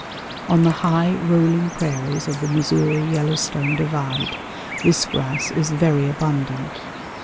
On the high, rolling prairies of the Missouri Yellowstone divide this grass is very abundant.